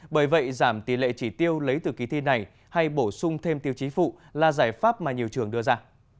bởi vậy giảm tỷ lệ chỉ tiêu lấy từ kỳ thi này hay bổ sung thêm tiêu chí phụ là giải pháp mà nhiều trường đưa ra